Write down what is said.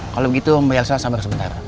kalau begitu mbak elsa sabar sebentar